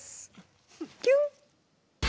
キュン！